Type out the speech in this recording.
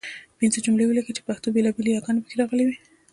پنځه جملې ولیکئ چې پښتو بېلابېلې یګانې پکې راغلي وي.